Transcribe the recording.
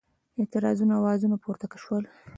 اعتراضونو آوازونه پورته شول.